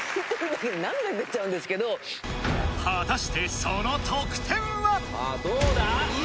果たしてその得点は⁉どうだ？